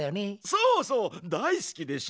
そうそう大好きでしょ？